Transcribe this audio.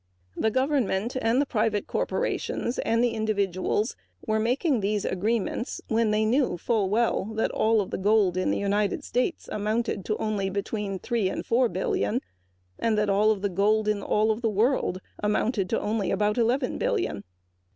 The government and private corporations were making these agreements when they knew full well that all of the gold in the United States amounted to only between three and four billions and that all of the gold in all of the world amounted to only about eleven billions.